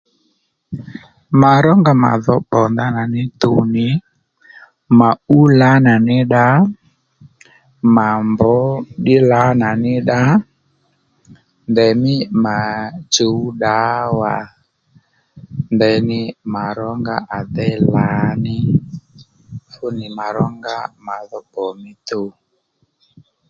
Mà rónga màdhò bbò ní tuw nì mà ú lǎnà ní dda mà mbř ddí lǎnà ní dda ndèymí mà chǔw ddǎwà ndeyní màrónga à déy lǎní fú nì mà rónga mà dho bbò mí tuw